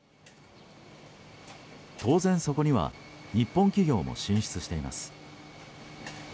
当然そこには日本企業も進出しています。